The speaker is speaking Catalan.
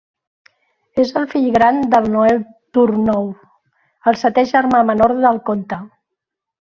És el fill gran de Noel Turnour, el setè germà menor del comte.